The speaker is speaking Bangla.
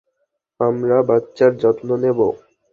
আমরা বাচ্চার যত্ন নেব।